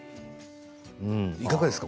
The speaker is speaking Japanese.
いかがですか？